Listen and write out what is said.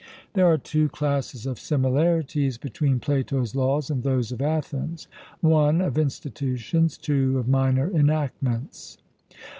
There are two classes of similarities between Plato's Laws and those of Athens: (i) of institutions (ii) of minor enactments.